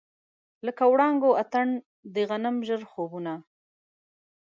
لکه د وړانګو اتڼ، د غنم ژړ خوبونه